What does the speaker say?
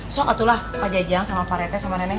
sok atuh lah pak jajang sama parete sama neneng